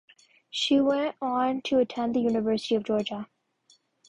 She went on to attend the University of Georgia.